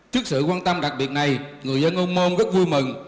trước sự quan tâm đặc biệt này người dân âu môn rất vui mừng